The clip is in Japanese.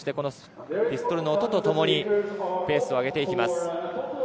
ピストルの音とともにペースを上げていきます。